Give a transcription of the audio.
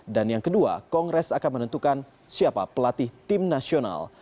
dan yang kedua kongres akan menentukan siapa pelatih tim nasional